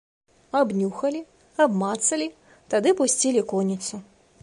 Абнюхалі, абмацалі, тады пусцілі конніцу.